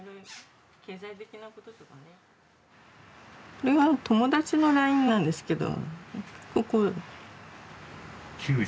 これは友達のＬＩＮＥなんですけど。